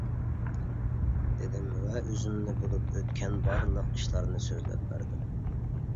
دېدىم ۋە ئۆزۈمنى، بولۇپ ئۆتكەن بارلىق ئىشلارنى سۆزلەپ بەردىم.